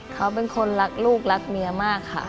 เขาเป็นคนรักลูกรักเมียมากค่ะ